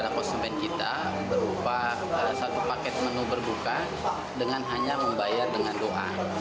dan konsumen kita berupa satu paket menu berbuka dengan hanya membayar dengan doa